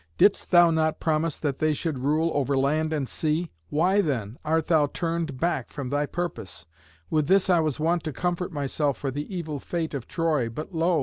Didst not thou promise that they should rule over land and sea? Why, then, art thou turned back from thy purpose? With this I was wont to comfort myself for the evil fate of Troy, but lo!